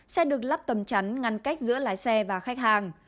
xe được lắp tầm chắn ngăn cách giữa lái xe và khách hàng